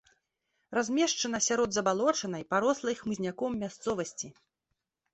Размешчана сярод забалочанай, парослай хмызняком мясцовасці.